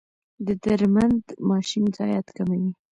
د درمند ماشین ضایعات کموي؟